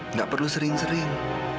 nggak perlu sering sering